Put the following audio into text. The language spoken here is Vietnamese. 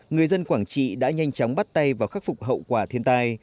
người dân quảng trị đã nhanh chóng bắt tay vào khắc phục hậu quả thiên tai